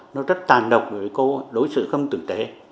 nó rất tàn độc vì cô đối xử không tử tế